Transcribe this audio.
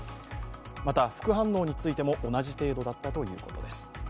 また、副反応についても同じ程度だったということです。